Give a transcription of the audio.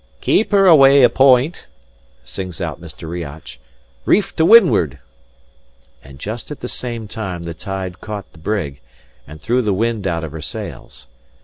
"Keep her away a point," sings out Mr. Riach. "Reef to windward!" And just at the same time the tide caught the brig, and threw the wind out of her sails.